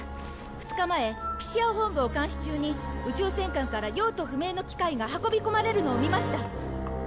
２日前ピシア本部を監視中に宇宙戦艦から用途不明の機械が運び込まれるのを見ました。